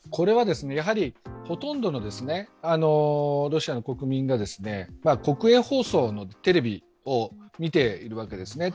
ほとんどのロシアの国民が国営放送のテレビを見ているわけです。